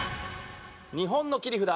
日本の切り札